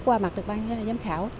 qua mặt được ban giám khảo